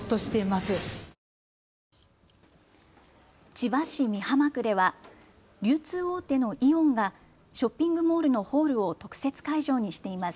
千葉市美浜区では流通大手のイオンがショッピングモールのホールを特設会場にしています。